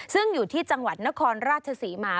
ซึ่งอยู่ที่จังหวัดนครราชศรีมา